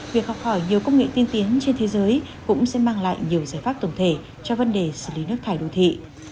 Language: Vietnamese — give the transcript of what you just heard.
việc học hỏi nhiều công nghệ tiên tiến trên thế giới cũng sẽ mang lại nhiều giải pháp tổng thể cho vấn đề xử lý nước thải đô thị